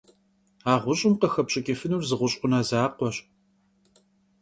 A ğuş'ım khıxepş'ıç'ıfınur zı ğuş' 'Une zakhueş.